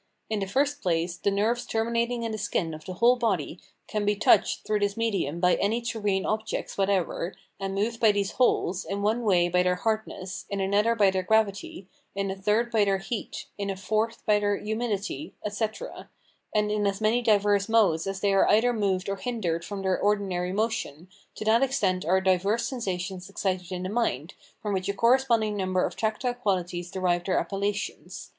In the first place, the nerves terminating in the skin of the whole body can be touched through this medium by any terrene objects whatever, and moved by these wholes, in one way by their hardness, in another by their gravity, in a third by their heat, in a fourth by their humidity, etc. and in as many diverse modes as they are either moved or hindered from their ordinary motion, to that extent are diverse sensations excited in the mind, from which a corresponding number of tactile qualities derive their appellations.